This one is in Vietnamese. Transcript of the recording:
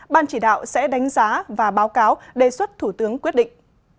ban chỉ đạo sẽ đánh giá và báo cáo đề xuất thủ tướng quyết định